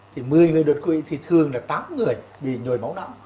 thì một mươi người đột quỵ thì thường là tám người bị nhồi máu não